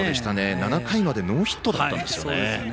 ７回までノーヒットだったんですね。